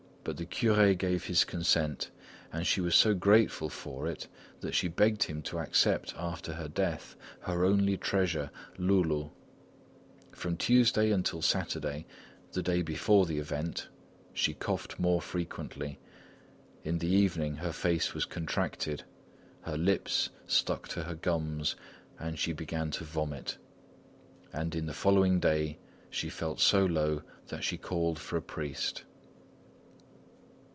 But the curé gave his consent and she was so grateful for it that she begged him to accept after her death, her only treasure, Loulou. From Tuesday until Saturday, the day before the event, she coughed more frequently. In the evening her face was contracted, her lips stuck to her gums and she began to vomit; and on the following day, she felt so low that she called for a priest.